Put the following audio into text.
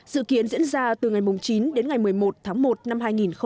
dự kiến diễn ra từ ngày chín đến ngày một mươi một tháng một năm hai nghìn hai mươi